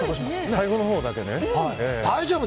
最後のほうだけね。